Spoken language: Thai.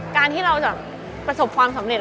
การที่เราจะประสบความสำเร็จ